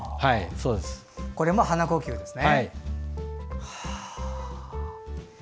これも鼻呼吸ですね。